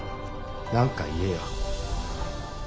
何か言えよ。